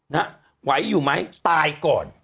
นะฮะไหวอยู่ไหมตายก่อน